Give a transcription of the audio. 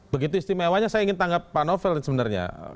begitu istimewanya saya ingin tanggap pak novel sebenarnya